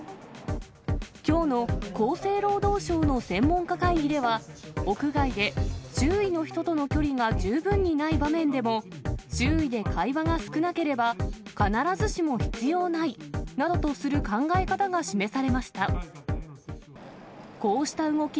きょうの厚生労働省の専門家会議では、屋外で周囲の人との距離が十分にない場面でも、周囲で会話が少なければ、必ずしも必要ないなどとする考え方が示されました。